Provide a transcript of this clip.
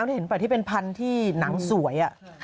ที่เห็นป่ะที่เป็นพันธุ์ที่หนังสวย